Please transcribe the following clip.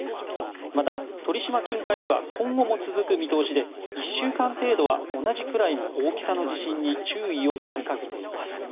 また、鳥島近海では今後も続く見通しで１週間程度は同じくらいの大きさの地震に注意を呼びかけています。